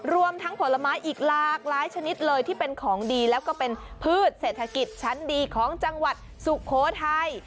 รวมทั้งผลไม้อีกหลากหลายชนิดเลยที่เป็นของดีแล้วก็เป็นพืชเศรษฐกิจชั้นดีของจังหวัดสุโขทัย